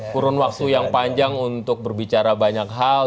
kurun waktu yang panjang untuk berbicara banyak hal